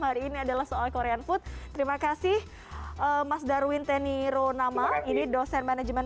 hari ini adalah soal korean food terima kasih mas darwin teniro nama ini dosen manajemen